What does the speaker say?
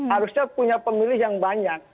harusnya punya pemilih yang banyak